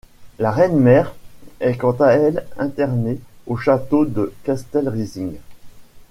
La reine-mère est quant à elle internée au château de Castle Rising.